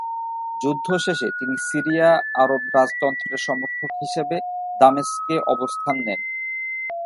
যুদ্ধ শেষে তিনি সিরিয়া আরব রাজতন্ত্রের সমর্থক হিসেবে দামেস্কে অবস্থান নেন।